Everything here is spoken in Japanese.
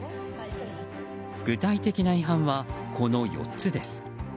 具体的な違反は、この４つです。